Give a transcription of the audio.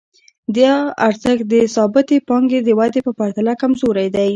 دا ارزښت د ثابتې پانګې د ودې په پرتله کمزوری دی